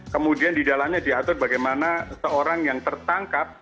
kemudian di dalamnya diatur bagaimana seorang yang tertangkap